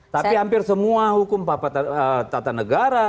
tapi hampir semua hukum tata negara